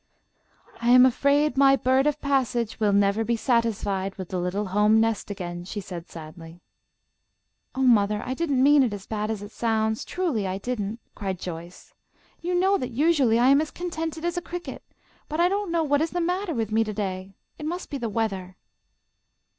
"I am afraid my bird of passage will never be satisfied with the little home nest again," she said, sadly. "Oh, mother, I didn't mean it as bad as it sounds; truly, I didn't," cried Joyce. "You know that usually I am as contented as a cricket; but I don't know what is the matter with me to day. It must be the weather."